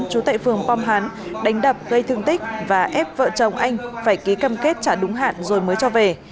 trú tệ phường pom hán đánh đập gây thương tích và ép vợ chồng anh phải ký cầm kết trả đúng hạn rồi mới cho về